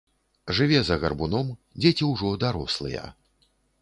Жыве за гарбуном, дзеці ўжо дарослыя.